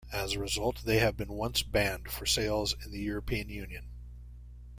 As a result, they have been once banned for sales in the European Union.